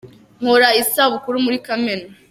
Nkora isabukuru muri Kamena.